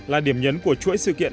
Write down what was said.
là điểm nhấn của chuỗi sự kiện